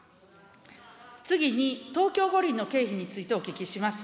次に東京五輪の経費についてお聞きします。